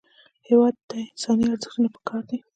هېواد ته انساني ارزښتونه پکار دي